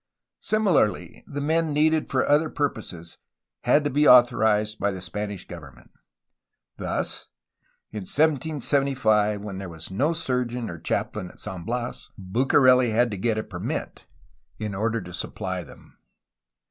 Similarly, the men needed for other purposes had to be authorized by the Spanish government. Thus, in 1775 when there was no surgeon or chaplain at San Bias, Bucareli had to get a permit in order to supply them.